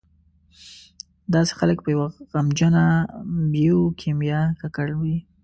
داسې خلک په یوه غمجنه بیوکیمیا ککړ دي.